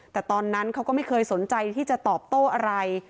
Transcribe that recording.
แต่ตอนนั้นเขาก็ไม่เคยสนใจที่จะตอบโต้อะไร